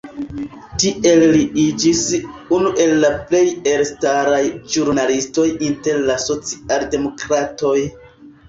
Tiel li iĝis unu el la plej elstaraj ĵurnalistoj inter la socialdemokratoj.